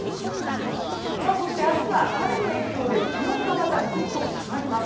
そして、明日は雨の影響で気温がまたぐっと下がります。